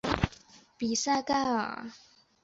奥比萨尔盖。